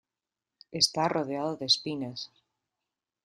Está rodeado de espinas.